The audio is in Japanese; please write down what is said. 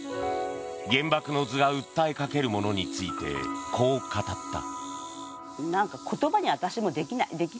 「原爆の図」が訴えかけるものについてこう語った。